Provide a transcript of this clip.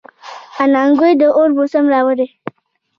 اننګو یې د اور موسم راوړی.